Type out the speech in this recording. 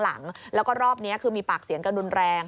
แล้วก็รอบนี้คือมีปากเสียงกันรุนแรง